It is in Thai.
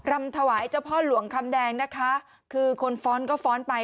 รำถวายเจ้าพ่อหลวงคำแดงนะคะคือคนฟ้อนก็ฟ้อนไป